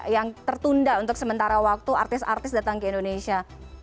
yang tertunda untuk sementara waktu artis artis datang ke indonesia